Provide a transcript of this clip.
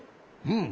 うん。